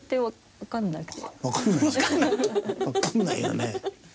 わかんないよね。